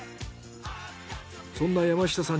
そんな山下さん